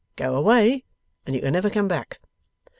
Go away, and you can never come back.